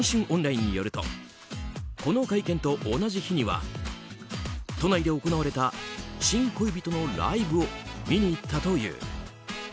オンラインによるとこの会見と同じ日には都内で行われた新恋人のライブを見に行ったという。